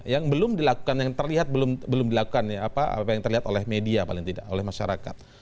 yang belum dilakukan yang terlihat belum dilakukan ya apa yang terlihat oleh media paling tidak oleh masyarakat